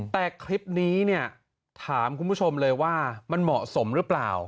แต่คลิปนี้เนี่ยถามคุณผู้ชมเลยว่ามันเหมาะสมหรือเปล่า